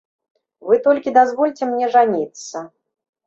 Вы толькі дазвольце мне жаніцца.